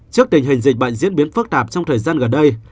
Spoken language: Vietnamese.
trước tình hình dịch bệnh diễn biến phức tạp trong thời gian gần đây